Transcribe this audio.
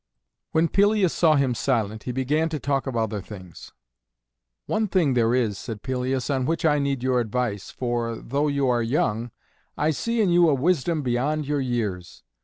When Pelias saw him silent he began to talk of other things. "One thing there is," said Pelias, "on which I need your advice, for, though you are young, I see in you a wisdom beyond your years.